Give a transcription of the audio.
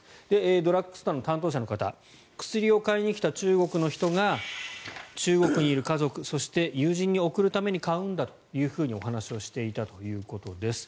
ドラッグストアの担当者の方薬を買いに来た中国の人が中国にいる家族、そして友人に送るために買うんだというふうに話していたということです。